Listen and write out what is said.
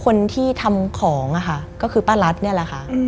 คนที่ทำของค่ะก็คือป้ารัสนี่แหละค่ะ